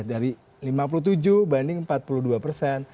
dari lima puluh tujuh banding empat puluh dua persen